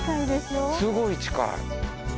すごい近い。